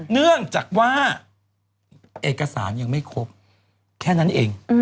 เนื่องจากว่าเอกสารยังไม่ครบแค่นั้นเอง